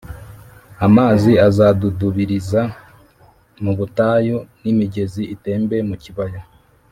Amazi azadudubiriza mu butayu n imigezi itembe mu kibaya